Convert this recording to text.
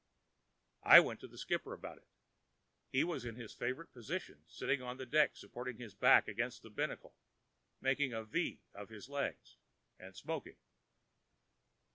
I went to the skipper about it. He was in his favorite position, sitting on the deck, supporting his back against the binnacle, making a V of his legs, and smoking.